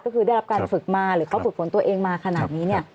ก็คือได้รับการฝึกมาหรือเขาฝึกฝนตัวเองมาขนาดนี้เนี่ย